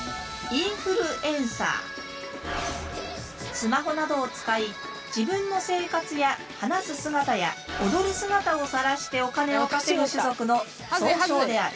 スマホなどを使い自分の生活や話す姿や踊る姿をさらしてお金を稼ぐ種族の総称である。